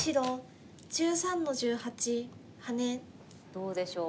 どうでしょう。